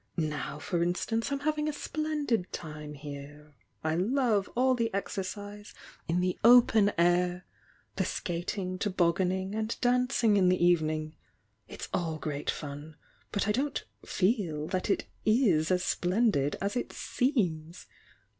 Now, for instance, I'm having a splendid time here — I love all the exercise in the open air, the bat ing, tobogganing, and dancing in the evening, — ^it's all great fun, but I don't 'feel' that it i« as splendid as it seems!